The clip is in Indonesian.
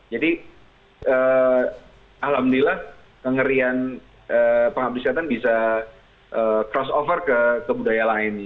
jadi alhamdulillah kengerian pengabdisan selatan bisa cross over ke budaya lain